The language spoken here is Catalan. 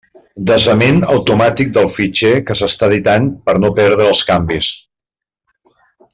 Desament automàtic del fitxer que s'està editant per no perdre els canvis.